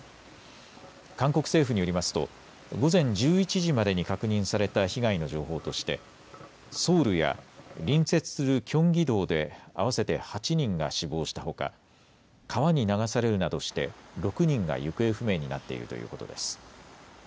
韓国政府によりますと午前１１時までに確認された被害の情報としてソウルや隣接するキョンギ道で合わせて８人が死亡したほか川に流されるなどして６人が行方不明になっているということです。